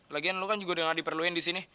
lagian lu kan juga udah gak diperlukan di sini